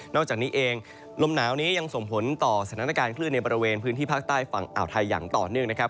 อกจากนี้เองลมหนาวนี้ยังส่งผลต่อสถานการณ์คลื่นในบริเวณพื้นที่ภาคใต้ฝั่งอ่าวไทยอย่างต่อเนื่องนะครับ